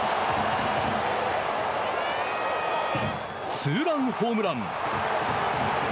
ツーランホームラン。